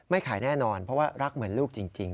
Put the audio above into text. ขายแน่นอนเพราะว่ารักเหมือนลูกจริง